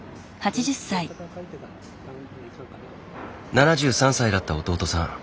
７３歳だった弟さん。